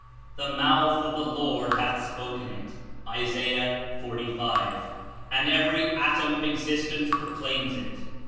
''The mouth of the Lord hath spoken it/' (Is. 40. 5.), and every atom of existence proclaims it.